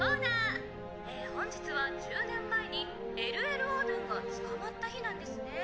えー本日は１０年前にＬ．Ｌ．オードゥンが捕まった日なんですね。